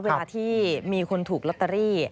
เวลาที่มีคนถูกลอตเตอรี่